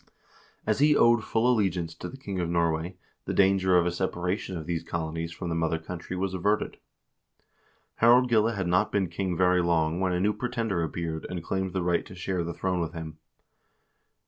As he owed full allegiance to the king of Norway, the danger of a separation of these colonies from the mother country was averted. Harald Gille had not been king very long when a new pretender appeared and claimed the right to share the throne with him.